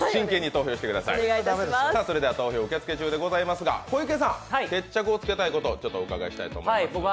投票受付中でございますが小池さん、決着をつけたいことをお伺いしたいと思います。